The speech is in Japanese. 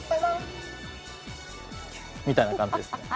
みたいな感じですかね。